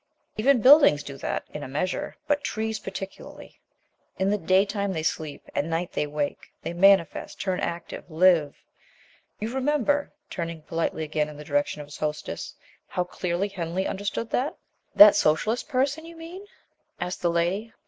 Even buildings do that in a measure but trees particularly. In the daytime they sleep; at night they wake, they manifest, turn active live. You remember," turning politely again in the direction of his hostess, "how clearly Henley understood that?" "That socialist person, you mean?" asked the lady.